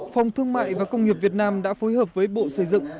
phòng thương mại và công nghiệp việt nam đã phối hợp với bộ xây dựng